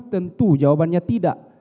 tentu jawabannya tidak